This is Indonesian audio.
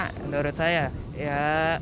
menurut saya ya